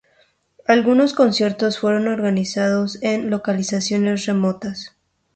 Algunos conciertos fueron organizados en localizaciones remotas.